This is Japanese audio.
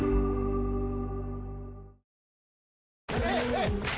はい！